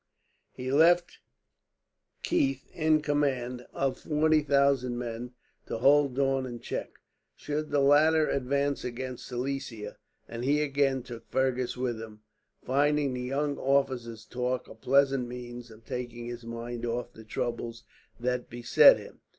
He left Keith, in command of forty thousand men, to hold Daun in check should the latter advance against Silesia; and he again took Fergus with him, finding the young officer's talk a pleasant means of taking his mind off the troubles that beset him.